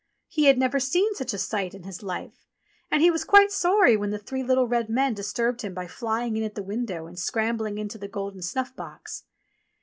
He had never seen such a sight in his life, and he was quite sorry when the three little red men ' disturbed him by flying in at the window and scrambling , into the golden snuff box.